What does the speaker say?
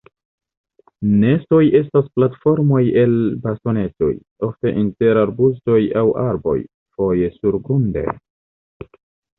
Nestoj estas platformo el bastonetoj, ofte inter arbustoj aŭ arboj, foje surgrunde.